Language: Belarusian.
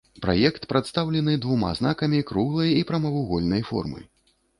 Праект прадстаўлены двума знакамі круглай і прамавугольнай формы.